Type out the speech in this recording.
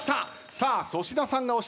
さあ粗品さんが押している。